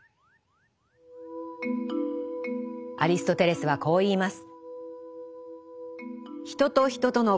アリストテレスはこう言います。